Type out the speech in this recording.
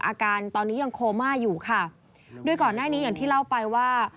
อาการตอนนี้ยังโคม่าอยู่ค่ะโดยก่อนหน้านี้อย่างที่เล่าไปว่า